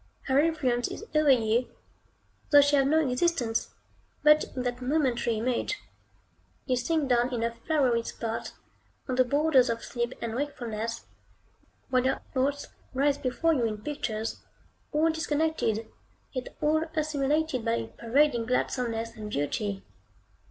Her influence is over you, though she have no existence but in that momentary image. You sink down in a flowery spot, on the borders of sleep and wakefulness, while your thoughts rise before you in pictures, all disconnected, yet all assimilated by a pervading gladsomeness and beauty.